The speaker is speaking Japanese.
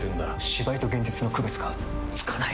芝居と現実の区別がつかない！